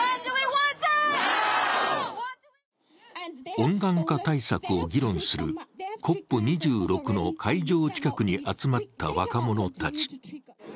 温暖化対策を議論するＣＯＰ２６の会場近くに集まった若者たち。